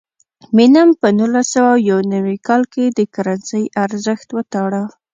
مینم په نولس سوه یو نوي کال کې د کرنسۍ ارزښت وتاړه.